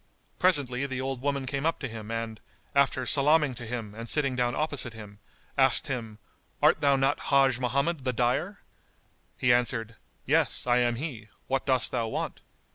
Presently the old woman came up to him and, after salaming to him and sitting down opposite him, asked him, "Art thou not Hajj Mohammed the dyer?" He answered, "Yes, I am he: what dost thou want?"